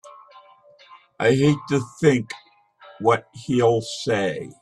I hate to think what he'll say!